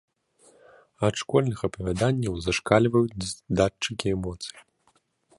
Ад школьных апавяданняў зашкальваюць датчыкі эмоцый.